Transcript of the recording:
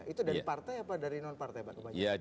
itu dari partai apa dari non partai pak kebanyakan